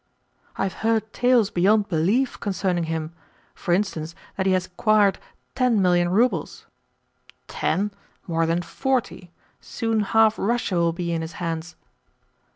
"I have heard tales beyond belief concerning him for instance, that he has acquired ten million roubles." "Ten? More than forty. Soon half Russia will be in his hands."